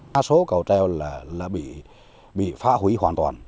đa số cầu treo là bị phá hủy hoàn toàn